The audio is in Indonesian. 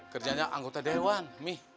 kerjanya anggota dewan mih